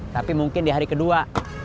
tapi mungkin di hari kedua